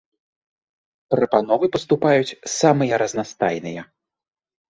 Прапановы паступаюць самыя разнастайныя.